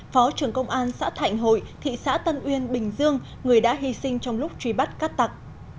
phó trưởng công an xã thạnh hội thị xã tân uyên bình dương người đã hy sinh trong lúc truy bắt các tặc